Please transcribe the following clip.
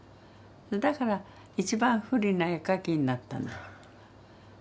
だから一番不利な絵描きになったんだ。